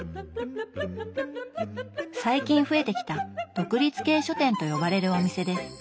最近増えてきた「独立系書店」と呼ばれるお店です。